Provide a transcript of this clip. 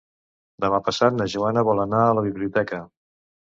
Demà passat na Joana vol anar a la biblioteca.